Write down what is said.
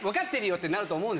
ってなると思う。